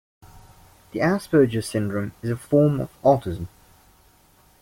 The Asperger syndrome is a form of autism.